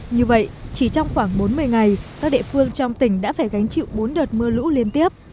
như vậy chỉ trong khoảng bốn mươi ngày các địa phương trong tỉnh đã phải gánh chịu bốn đợt mưa lũ liên tiếp